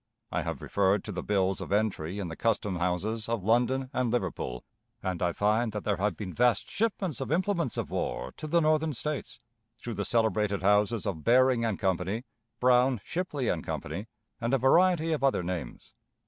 I have referred to the bills of entry in the custom houses of London and Liverpool, and I find that there have been vast shipments of implements of war to the Northern States through the celebrated houses of Baring & Co.; Brown, Shipley & Co.; and a variety of other names.